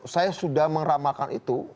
saya sudah mengeramakan itu